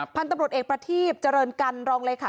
พันธุ์ตำรวจเอกประทีบเจริญกันรองเลยค่ะ